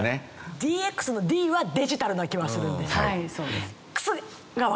ＤＸの「Ｄ」は「デジタル」な気はするんです。